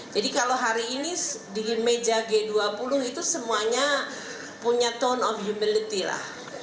jadi kalau hari ini di meja g dua puluh itu semuanya punya tone of humility lah